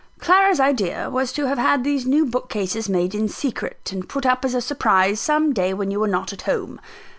Clara's idea was to have had these new bookcases made in secret, and put up as a surprise, some day when you were not at home.